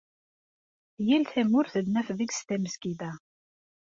Yal tamurt ad naf deg-s tamezgida.